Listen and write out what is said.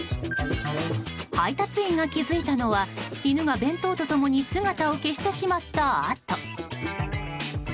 配達員が気づいたのは犬が弁当と共に姿を消してしまったあと。